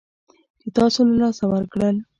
چې تاسو له لاسه ورکړل